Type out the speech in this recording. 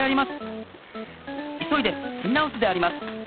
いそいでつみ直すであります。